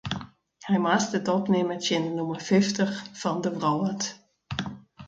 Hy moast it opnimme tsjin de nûmer fyftich fan de wrâld.